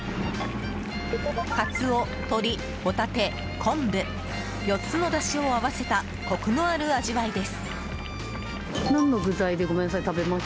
カツオ、鶏、ホタテ、昆布４つのだしを合わせたコクのある味わいです。